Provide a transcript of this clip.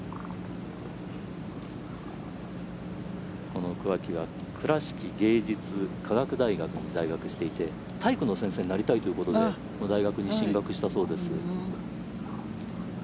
この桑木は倉敷芸術科学大学に在学していて、体育の先生になりたいということで大学に進学したそうです。